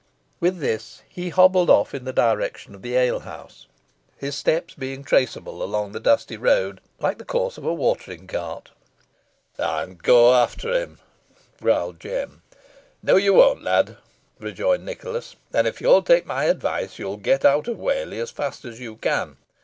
With this, he hobbled off in the direction of the alehouse, his steps being traceable along the dusty road like the course of a watering cart. "Ey'n go efter him," growled Jem. "No you won't, lad," rejoined Nicholas, "and if you'll take my advice, you'll get out of Whalley as fast as you can.